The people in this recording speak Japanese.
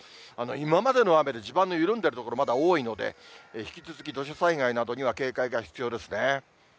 今までの雨で地盤の緩んでいる所、まだ多いので、引き続き土砂災害などには警戒が必要ですね。